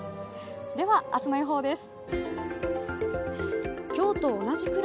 では、明日の予報です。